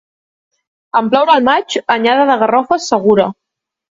En ploure al maig, anyada de garrofes segura.